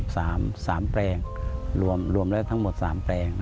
สามแปลงรวมแล้วทั้งหมดสามแปลง